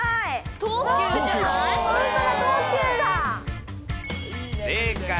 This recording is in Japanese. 東急じゃない？